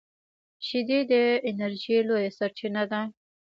شیدې د انرژۍ لویه سرچینه ده